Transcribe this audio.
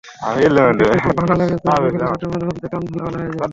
দেখতে খুব ভালো লাগে, তবে ওগুলোর শব্দে মাঝেমধ্যে কান ঝালাপালা হয়ে যায়।